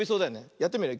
やってみるよ。